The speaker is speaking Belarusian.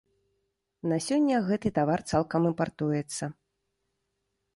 На сёння гэты тавар цалкам імпартуецца.